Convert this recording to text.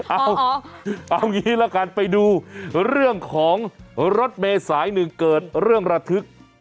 เอาเอางี้ละกันไปดูเรื่องของรถเมษายหนึ่งเกิดเรื่องระทึก